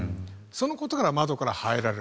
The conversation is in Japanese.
その事から窓から入られる。